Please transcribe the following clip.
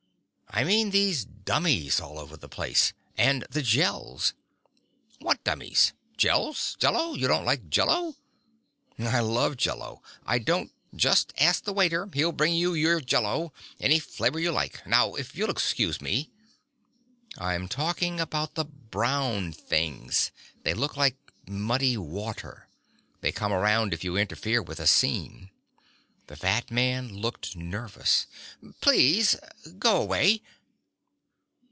I mean these dummies all over the place, and the Gels " "What dummies? Jells? Jello? You don't like Jello?" "I love Jello. I don't " "Just ask the waiter. He'll bring you your Jello. Any flavor you like. Now if you'll excuse me ..." "I'm talking about the brown things; they look like muddy water. They come around if you interfere with a scene." The fat man looked nervous. "Please. Go away."